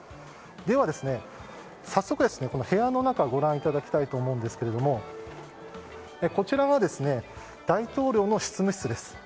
では早速、部屋の中をご覧いただきたいと思いますがこちらは大統領の執務室です。